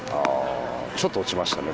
ちょっと落ちましたね。